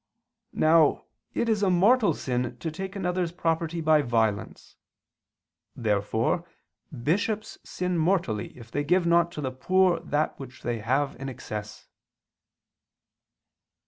Now it is a mortal sin to take another's property by violence. Therefore bishops sin mortally if they give not to the poor that which they have in excess.